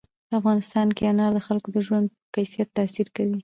په افغانستان کې انار د خلکو د ژوند په کیفیت تاثیر کوي.